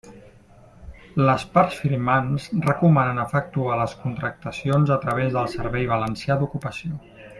Les parts firmants recomanen efectuar les contractacions a través del Servei Valencià d'Ocupació.